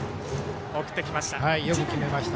送ってきました。